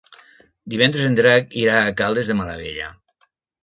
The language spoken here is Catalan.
Divendres en Drac irà a Caldes de Malavella.